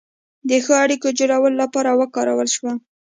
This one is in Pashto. د ښو اړیکو جوړولو لپاره وکارول شوه.